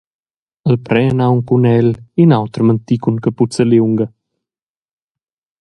El pren aunc cun el in auter manti cun capuza liunga.